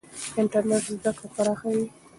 انټرنېټ زده کړه پراخوي.